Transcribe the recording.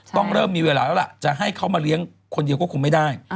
ต้องเริ่มมีเวลาแล้วล่ะจะให้เขามาเลี้ยงคนเดียวก็คงไม่ได้